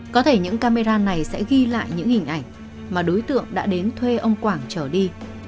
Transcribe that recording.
có thể những camera này sẽ ghi lại những hình ảnh mà đối tượng đã đến thuê ông quảng chở đi